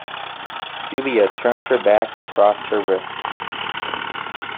Celia turned her back and crossed her wrists.